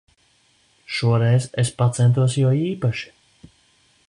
Šoreiz es pacentos jo īpaši.